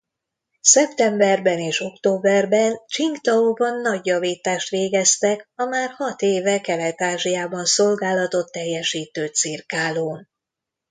Szeptemberben és októberben Csingtaóban nagyjavítást végeztek a már hat éve Kelet-Ázsiában szolgálatot teljesítő cirkálón.